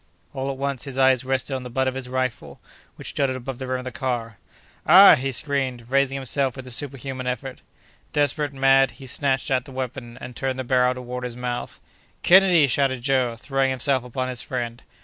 All at once, his eyes rested on the butt of his rifle, which jutted above the rim of the car. "Ah!" he screamed, raising himself with a superhuman effort. Desperate, mad, he snatched at the weapon, and turned the barrel toward his mouth. "Kennedy!" shouted Joe, throwing himself upon his friend.